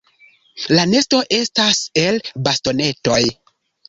La nesto estas el bastonetoj.